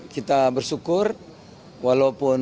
kita bersyukur walaupun